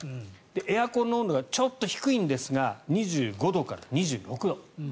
エアコンの温度がちょっと低いんですが２５度から２６度。